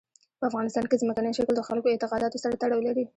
په افغانستان کې ځمکنی شکل د خلکو اعتقاداتو سره تړاو لري.